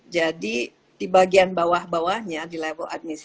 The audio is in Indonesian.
jadi di bagian bawah bawahnya di level